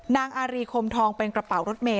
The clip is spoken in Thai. นางอารีคมทองเป็นกระเป๋ารถเมย